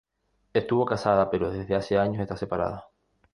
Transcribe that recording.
Estuvo casada, pero desde hace años está separada.